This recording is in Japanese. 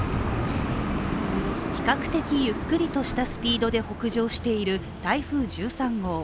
比較的ゆっくりとしたスピードで北上している台風１３号。